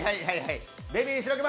ベビー白熊。